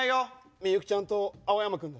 みゆきちゃんと青山君だ。